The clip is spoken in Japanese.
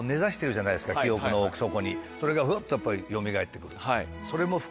それがふっとやっぱりよみがえってくる。